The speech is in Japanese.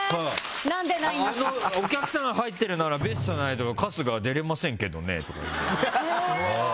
お客さん入ってるならベストがないと春日は出れませんけどねとかって言って。